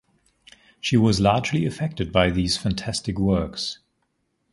She was largely affected by these fantastic works.